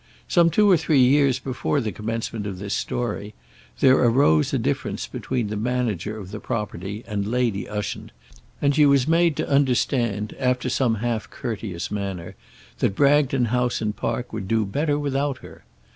Some two or three years before the commencement of this story there arose a difference between the manager of the property and Lady Ushant, and she was made to understand, after some half courteous manner, that Bragton house and park would do better without her.